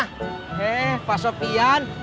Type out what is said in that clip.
he pak sopian